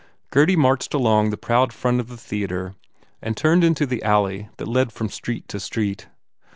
Gurdy marched along the proud front of the theatre and turned into the alley that led from street to street.